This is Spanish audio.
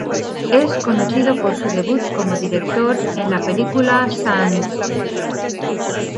Es conocido por su debut como director con la película "St.